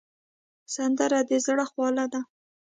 سندره د زړه خواله ده